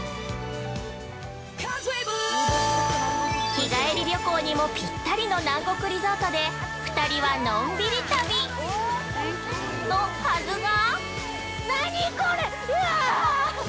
日帰り旅行にもぴったりの南国リゾートで２人はのんびり旅！のはずが？